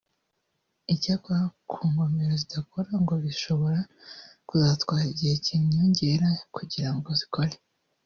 Icyakora ku ngomero zidakora ngo bishobora kuzatwara igihe cy’inyongera kugira ngo zikore